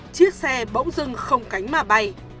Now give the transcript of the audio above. chiếc xe bỗng dưng không cánh mà bay